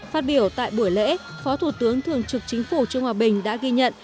phát biểu tại buổi lễ phó thủ tướng thường trực chính phủ trương hòa bình đã ghi nhận